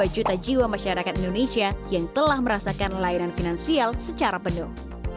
dua juta jiwa masyarakat indonesia yang telah merasakan layanan finansial secara penuh